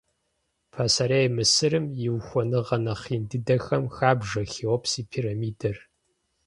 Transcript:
Пасэрей Мысырым и ухуэныгъэ нэхъ ин дыдэхэм хабжэ Хеопс и пирамидэр.